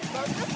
bagus gak ini